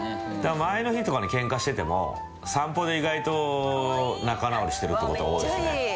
前の日とかにケンカしてても散歩で意外と仲直りしてるって事が多いですね。